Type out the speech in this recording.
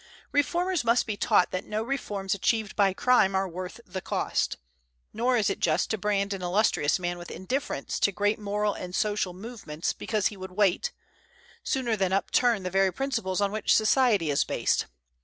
Reformers must be taught that no reforms achieved by crime are worth the cost. Nor is it just to brand an illustrious man with indifference to great moral and social movements because he would wait, sooner than upturn the very principles on which society is based.